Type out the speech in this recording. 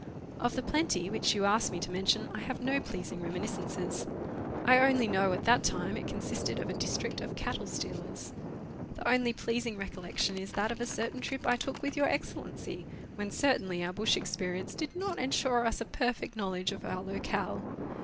Of the Plenty, which you ask me to mention, I have no pleas ing reminiscences. I only know at that time it consisted of a district of cattle stealers. The only pleasing recollection is that of a certain trip I took with Your Excellency, when certainly our bush experience did not ensure us a perfect knowledge of our locale.